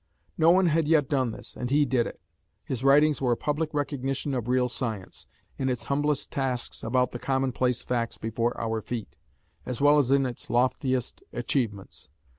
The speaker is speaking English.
No one had yet done this, and he did it. His writings were a public recognition of real science, in its humblest tasks about the commonplace facts before our feet, as well as in its loftiest achievements.